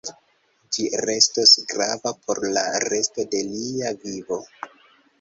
Ĝi restos grava por la resto de lia vivo.